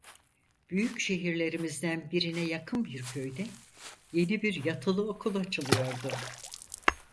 Büyük şehirlerimizden birine yakın bir köyde yeni bir yatılı okul açılıyordu.